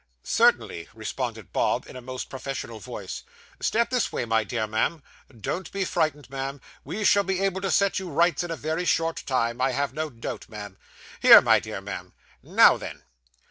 'Certainly,' responded Bob, in a most professional voice. 'Step this way, my dear ma'am. Don't be frightened, ma'am. We shall be able to set you to rights in a very short time, I have no doubt, ma'am. Here, my dear ma'am. Now then!